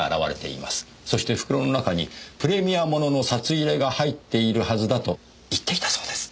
そして袋の中にプレミア物の札入れが入っているはずだと言っていたそうです。